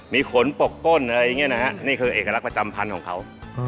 มีขนปกก้นอะไรอย่างนี้นะฮะนี่คือเอกลักษณ์ประจำพันธุ์ของเขา